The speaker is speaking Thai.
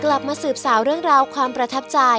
กลับมาสืบสาวเรื่องราวความประทับใจ